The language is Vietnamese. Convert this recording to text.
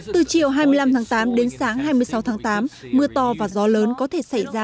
từ chiều hai mươi năm tháng tám đến sáng hai mươi sáu tháng tám mưa to và gió lớn có thể xảy ra